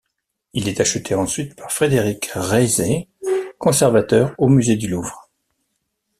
Il est acheté ensuite par Frédéric Reiset, conservateur au musée du Louvre.